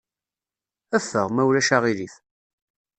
Ffeɣ, ma ulac aɣilif.